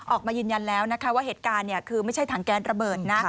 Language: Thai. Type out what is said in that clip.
ออกมายืนยันแล้วนะคะว่าเหตุการณ์คือไม่ใช่ถังแก๊สระเบิดนะ